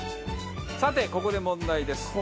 さてここで問題です。